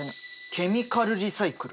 ケミカルリサイクル？